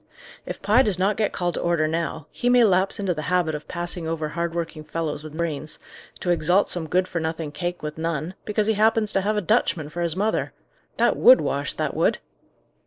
"If Pye does not get called to order now, he may lapse into the habit of passing over hard working fellows with brains, to exalt some good for nothing cake with none, because he happens to have a Dutchman for his mother. That would wash, that would!"